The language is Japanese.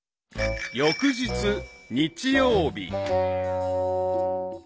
［翌日日曜日］